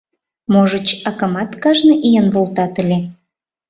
Можыч, акымат кажне ийын волтат ыле.